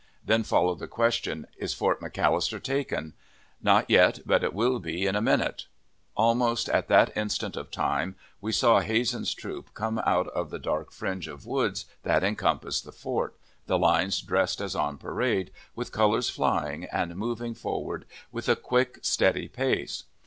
Then followed the question, "Is Fort McAllister taken?" "Not yet, but it will be in a minute!" Almost at that instant of time, we saw Hazen's troops come out of the dark fringe of woods that encompassed the fort, the lines dressed as on parade, with colors flying, and moving forward with a quick, steady pace.